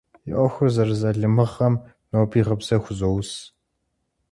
Си ӏуэхур зэрызалымыгъэм ноби гъыбзэ хузоус.